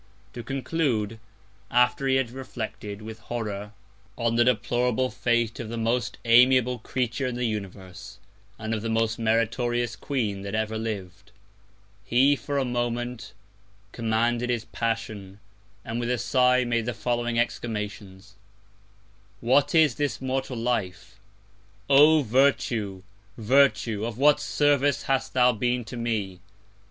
To conclude, after he had reflected, with Horror, on the deplorable Fate of the most amiable Creature in the Universe, and of the most meritorious Queen that ever liv'd; he for a Moment commanded his Passion, and with a Sigh, made the following Exclamations: What is this mortal Life! O Virtue, Virtue, of what Service hast thou been to me!